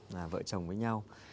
là vợ chồng với nhau